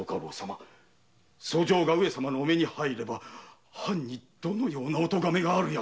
訴状が上様のお目に入れば藩にどのようなおとがめが。